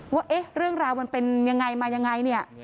ว่าเอ๊ะเรื่องราวมันเป็นยังไงมายังไงเนี่ย